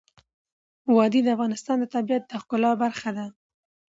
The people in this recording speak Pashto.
وادي د افغانستان د طبیعت د ښکلا برخه ده.